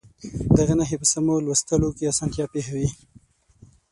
دغه نښې په سمو لوستلو کې اسانتیا پېښوي.